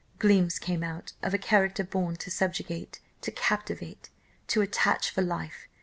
Gleams came out, of a character born to subjugate, to captivate, to attach for life.